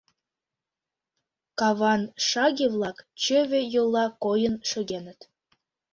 Каван шаге-влак чыве йолла койын шогеныт.